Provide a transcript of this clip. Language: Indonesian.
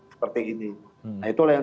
seperti ini nah itulah yang